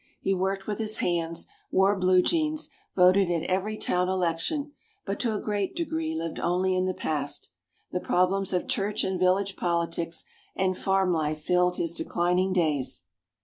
He worked with his hands, wore blue jeans, voted at every town election, but to a great degree lived only in the past. The problems of church and village politics and farm life filled his declining days.